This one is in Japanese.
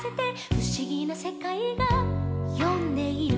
「ふしぎなせかいがよんでいる」